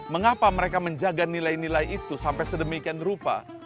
mengapa mereka menjaga nilai nilai itu sampai sedemikian rupa